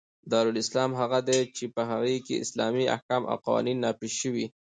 دارالاسلام هغه دئ، چي په هغي کښي اسلامي احکام او قوانینو نافظ سوي يي.